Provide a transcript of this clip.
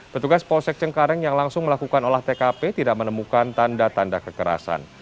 petugas polsek cengkareng yang langsung melakukan olah tkp tidak menemukan tanda tanda kekerasan